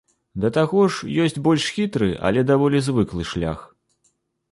Да таго ж, ёсць больш хітры, але даволі звыклы шлях.